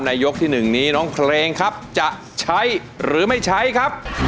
ยกที่๑นี้น้องเพลงครับจะใช้หรือไม่ใช้ครับ